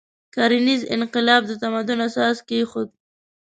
کرنیز انقلاب د تمدن اساس کېښود.